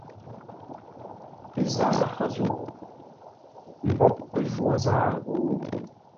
Ə zǎa hó zə̂u? Mboʼ pə́ jwô zǎa ghó?